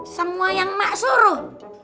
semua yang mak suruh